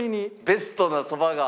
ベストなそばが。